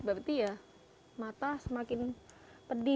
berarti mata semakin pedih